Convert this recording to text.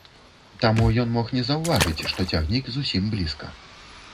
Таму ён мог не заўважыць, што цягнік зусім блізка.